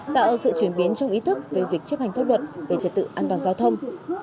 tạo sự chuyển biến trong ý thức về việc chấp hành pháp luật về trật tự an toàn giao thông